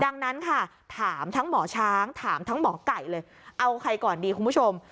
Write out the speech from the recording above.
ดังนั้นค่ะถามทั้งหมอช้างถามทั้งหมอไก่เลยเอาใครก่อนดีคุณผู้ชม